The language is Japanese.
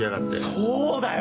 そうだよ！